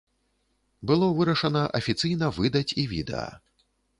Было вырашана афіцыйна выдаць і відэа.